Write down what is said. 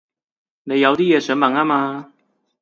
你有啲嘢想問吖嘛